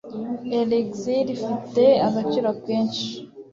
elixir ifite agaciro kenshi